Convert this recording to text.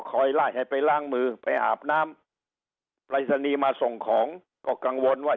ไล่ให้ไปล้างมือไปอาบน้ำปรายศนีย์มาส่งของก็กังวลว่า